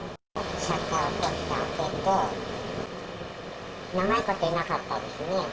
シャッターを開けて、長いこと、いなかったですね。